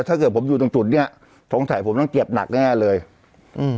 ถ้าเกิดผมอยู่ตรงจุดเนี้ยสงสัยผมต้องเจ็บหนักแน่เลยอืม